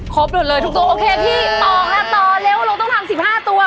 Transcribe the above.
ครบด้วยเลยทุกตัวโอเคพี่ตอบค่ะตอบเร็วเราต้องทำ๑๕ตัว